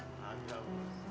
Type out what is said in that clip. nggak ada bos